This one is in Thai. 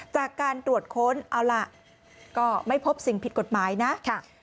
จากการตรวจค้นเอาล่ะก็ไม่พบสิ่งผิดกฎหมายนะ